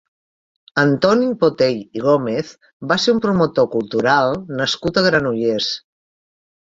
Antoni Botey i Gómez va ser un promotor cultural nascut a Granollers.